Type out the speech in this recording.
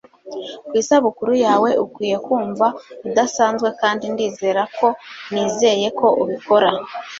ku isabukuru yawe ukwiye kumva udasanzwe kandi ndizera ko nizeye ko ubikora